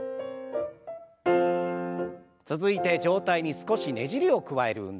続いて上体に少しねじりを加える運動。